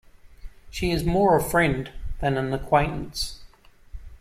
She is more a friend than an acquaintance.